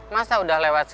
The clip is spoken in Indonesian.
masa udah lewat selesai